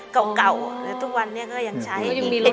เก่าแล้วทุกวันเนี่ยก็ยังใช้